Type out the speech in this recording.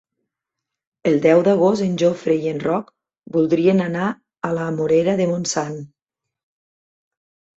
El deu d'agost en Jofre i en Roc voldrien anar a la Morera de Montsant.